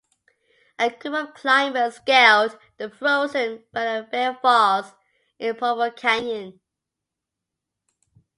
A group of climbers scaled the frozen Bridal Veil Falls in Provo Canyon.